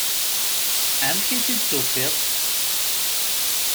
Amek i t-id-tufiḍ?